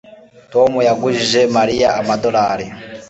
Tom yagujije Mariya amadorari